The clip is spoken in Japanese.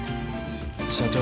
社長。